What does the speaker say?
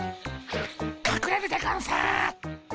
かくれるでゴンス。